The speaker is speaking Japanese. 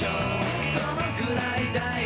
「どのくらいだい？